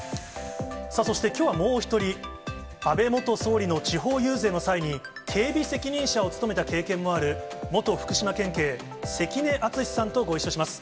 さあ、そしてきょうはもう１人、安倍元総理の地方遊説の際に、警備責任者を務めた経験もある、元福島県警、関根篤志さんとご一緒します。